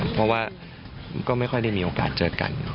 เพราะว่าก็ไม่ค่อยได้มีโอกาสเจอกัน